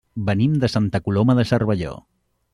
Venim de Santa Coloma de Cervelló.